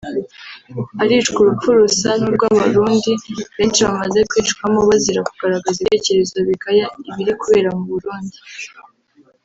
aricwa urupfu rusa n’urwabarundi benshi bamaze kwicwamo bazira kugaragaza ibitekerezo bigaya ibiri kubera mu Burundi